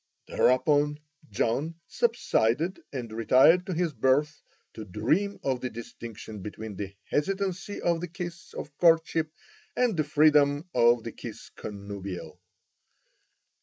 Thereupon John subsided and retired to his berth to dream of the distinction between the hesitancy of the kiss of courtship and the freedom of the kiss connubial.